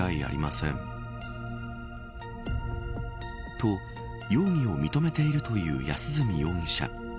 と、容疑を認めているという安栖容疑者。